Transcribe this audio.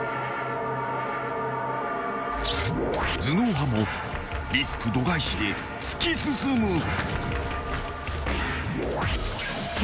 ［頭脳派もリスク度外視で突き進む］